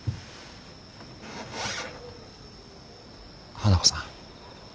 花子さん。